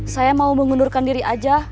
saya mau mengundurkan diri aja